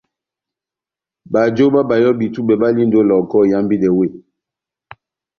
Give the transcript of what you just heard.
Bajo bá bayɔbi tubɛ balindi ó Lohoko ihambidɛ weh.